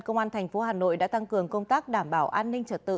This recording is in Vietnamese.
công an tp hà nội đã tăng cường công tác đảm bảo an ninh trật tự